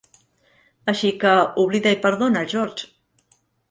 Així que, oblida i perdona, George.